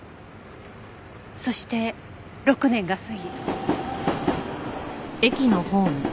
そして６年が過ぎ。